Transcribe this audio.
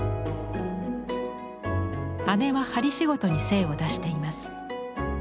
姉は針仕事に精を出しています。